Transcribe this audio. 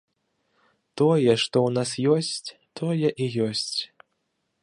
Тое, што ў нас ёсць, тое і ёсць.